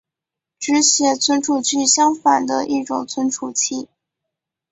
只写存储器相反的一种存储器。